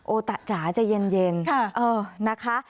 ตะจ๋าจะเย็นนะคะ